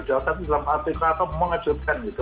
jawaban dalam arti kata mengejutkan gitu